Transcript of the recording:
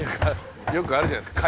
「よくあるじゃないですか。